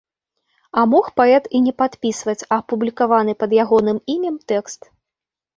А мог паэт і не падпісваць апублікаваны пад ягоным імем тэкст.